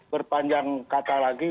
berpanjang kata lagi